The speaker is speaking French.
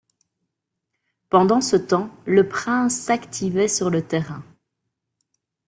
Pendant ce temps, le prince s'activait sur le terrain.